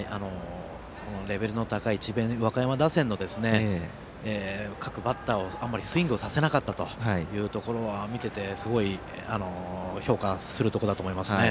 このレベルの高い智弁和歌山打線の各バッターをあまりスイングさせなかったというところはすごく評価するところですね。